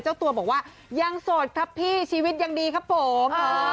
เจ้าตัวบอกว่ายังโสดครับพี่ชีวิตยังดีครับผม